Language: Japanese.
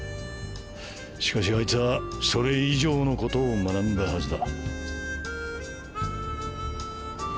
しかしあいつはそれ以上のことを学んだはずだ。